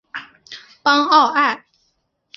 邦奥埃。